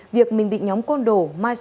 việc mình bị nhóm côn đổ